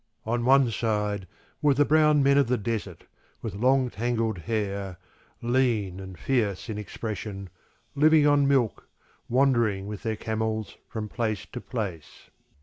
On one side were the brown men of the desert with long, tangled hair, lean, and fierce in expression, living on milk, wandering with their camels from place to place.